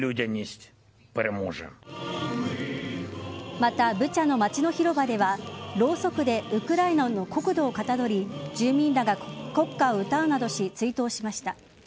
また、ブチャの街の広場ではろうそくでウクライナの国土をかたどり住民らが国歌を歌うなどし追悼しました。